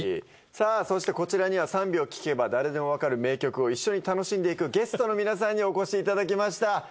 さあそしてこちらには「３秒聴けば誰でもわかる名曲」を一緒に楽しんでいくゲストの皆さんにお越しいただきました。